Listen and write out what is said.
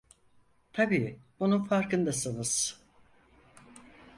Tabii bunun farkındasınız.